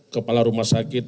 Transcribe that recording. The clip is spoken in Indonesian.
kepala rumah sakit